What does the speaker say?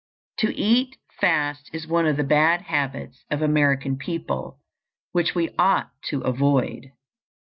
To eat fast is one of the bad habits of American people which we ought to avoid.